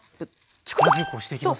力強く押していきますね。